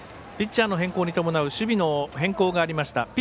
ピッチャーの変更に伴う守備の変更がありました。